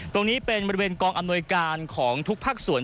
ตรงนี้เป็นบริเวณกองอำนวยการของทุกภาคส่วน